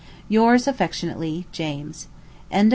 Yours affectionately, JAMES. Letter 50.